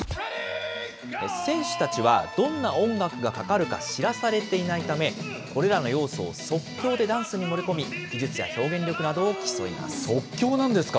選手たちはどんな音楽がかかるか知らされていないため、これらの要素を即興でダンスに盛り込み、技術や表現力などを競い即興なんですか。